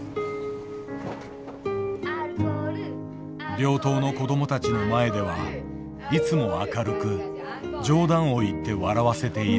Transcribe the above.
病棟の子どもたちの前ではいつも明るく冗談を言って笑わせている。